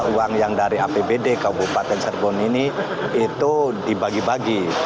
uang yang dari apbd kabupaten serbon ini itu dibagi bagi